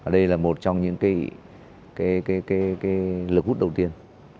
đây là một trong những lực hút đầu tiên